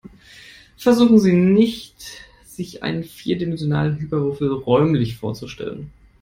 Versuchen Sie nicht, sich einen vierdimensionalen Hyperwürfel räumlich vorzustellen.